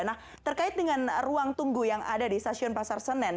nah terkait dengan ruang tunggu yang ada di stasiun pasar senen